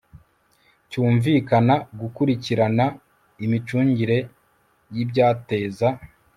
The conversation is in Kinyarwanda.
cyumvikana gukurikirana imicungire y ibyateza